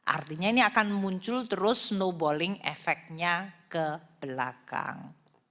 artinya ini akan muncul terus snowballing efeknya ke belakang